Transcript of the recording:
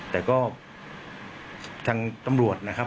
แต่ก็ทางตำรวจนะครับ